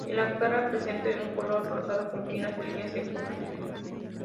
En la cara presente un color rosado con finas líneas de plumas negras.